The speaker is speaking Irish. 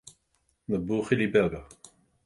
Na buachaillí beaga